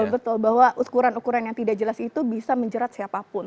betul bahwa ukuran ukuran yang tidak jelas itu bisa menjerat siapapun